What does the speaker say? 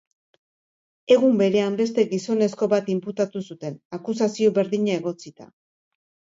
Egun berean, beste gizonezko bat inputatu zuten, akusazio berdina egotzita.